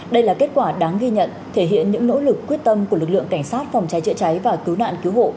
đây là kết quả đáng ghi nhận thể hiện những nỗ lực quyết tâm của lực lượng cảnh sát phòng cháy chữa cháy và cứu nạn cứu hộ